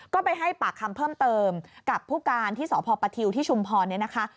ก็ไปให้ปากคำเพิ่มเติมกับผู้การที่สพปทิวที่ชุมพรเนี่ยนะคะ